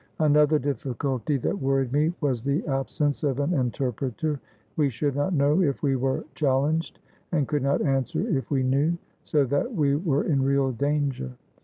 Another difficulty that worried me was the absence of an interpreter. We should not know if we were chal lenged, and could not answer if we knew, so that we were in real danger.